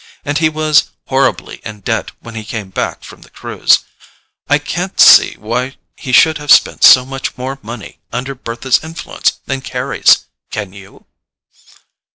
And he was horribly in debt when he came back from the cruise—I can't see why he should have spent so much more money under Bertha's influence than Carry's: can you?"